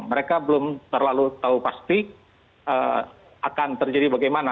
mereka belum terlalu tahu pasti akan terjadi bagaimana